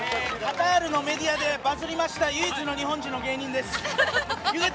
カタールのメディアでばずりました日本人の唯一の芸人です。